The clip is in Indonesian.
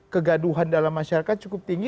kegaduhan dalam masyarakat cukup tinggi